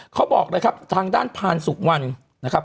เขาบอกเลยครับทางด้านพานสุวรรณนะครับ